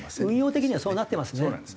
運用的にはそうなってますね。